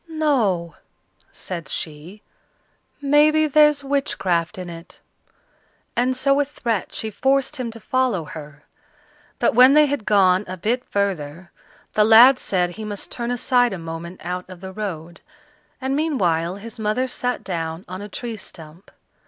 "No," said she, "maybe there's witchcraft in it;" and so with threats she forced him to follow her. But when they had gone a bit further, the lad said he must turn aside a moment out of the road; and meanwhile his mother sat down on a tree stump.